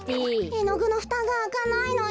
えのぐのふたがあかないのよ。